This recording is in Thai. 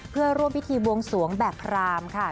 เพื่อร่วมพิธีบวงสวงแบบพรามค่ะ